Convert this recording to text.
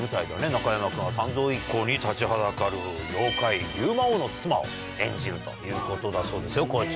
中山君は三蔵一行に立ちはだかる妖怪牛魔王の妻を演じるということだそうですよ校長。